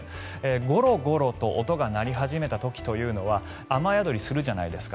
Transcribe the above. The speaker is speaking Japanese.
ゴロゴロと音が鳴り始めた時雨宿りするじゃないですか。